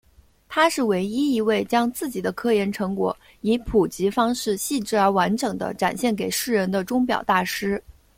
他是唯一一位将自己的科研成果以普及方式细致而完整地展现给世人的钟表大师。